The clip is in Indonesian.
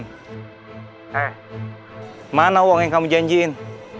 eh mana uang yang kamu janjiin